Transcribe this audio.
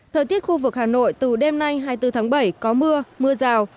thời tiết khu vực hà nội từ đêm nay hai mươi bốn tháng bảy có mưa mưa rào